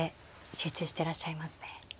集中してらっしゃいますね。